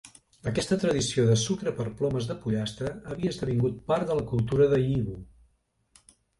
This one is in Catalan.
Aquesta tradició de "sucre per plomes de pollastre" havia esdevingut part de la cultura de Yiwu.